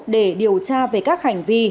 để điều tra về các hành vi